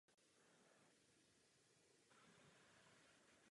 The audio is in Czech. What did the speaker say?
Jezdili v něm Brit David Coulthard a Australan Mark Webber.